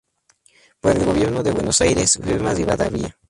Por el Gobierno de Buenos Aires, firma Rivadavia.